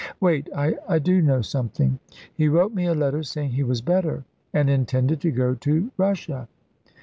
Wait I do know something. He wrote me a letter saying he was better and intended to go to Russia."